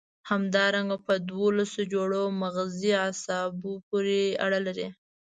همدارنګه په دوولس جوړو مغزي عصبو پورې اړه لري.